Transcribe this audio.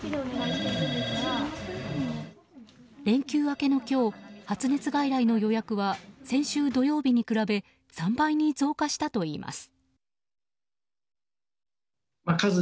連休明けの今日発熱外来の予約は先週土曜日に比べ３倍に増加したといいます。